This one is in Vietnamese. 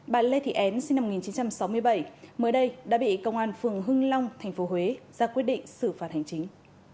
bà lê thị en sinh năm một nghìn chín trăm sáu mươi bảy mới đây đã bị công an phường hưng long tp huế ra quyết định xử phạt hành chính